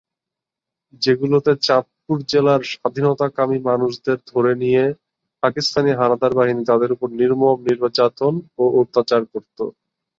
যেগুলোতে চাঁদপুর জেলার স্বাধীনতাকামী মানুষদের ধরে নিয়ে পাকিস্তানি হানাদার বাহিনী তাদের উপর নির্মম নির্যাতন ও অত্যাচার করত।